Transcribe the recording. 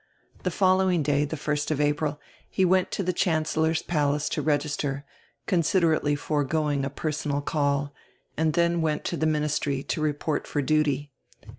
The following day, the 1 st of April, he went to die Chancel lor's Palace to register, considerately foregoing a personal call, and dien went to die Ministry to report for duty.